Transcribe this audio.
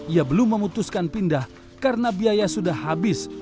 ia belum memutuskan pindah karena biaya sudah habis